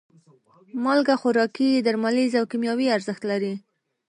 مالګه خوراکي، درملیز او کیمیاوي ارزښت لري.